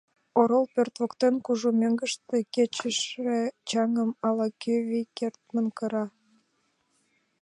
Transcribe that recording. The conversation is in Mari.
Орол пӧрт воктен кужу меҥгыште кечыше чаҥым ала-кӧ вий кертмын кыра.